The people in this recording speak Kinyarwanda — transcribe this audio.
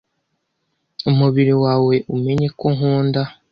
umubiri wawe umenye ko nkunda